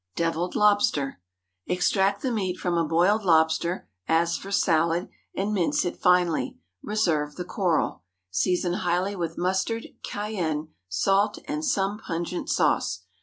DEVILLED LOBSTER. Extract the meat from a boiled lobster, as for salad, and mince it finely; reserve the coral. Season highly with mustard, cayenne, salt, and some pungent sauce.